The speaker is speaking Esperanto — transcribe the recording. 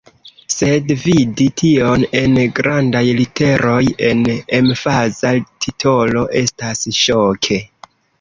Sed vidi tion en grandaj literoj, en emfaza titolo estas ŝoke.